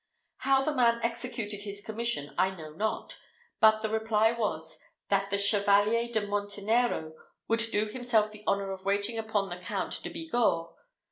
How the man executed his commission I know not; but the reply was, that the Chevalier de Montenero would do himself the honour of waiting upon the Count de Bigorre.